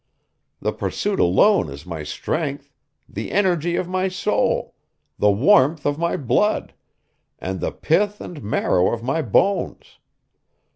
The pursuit alone is my strength the energy of my soul the warmth of my blood and the pith and marrow of my bones!